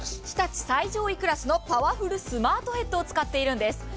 日立最上位クラスのパワフルスマートヘッドを使っているんです。